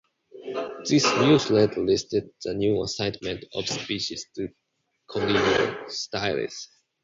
This "Newsletter" listed the new assignment of species to "Coilostylis".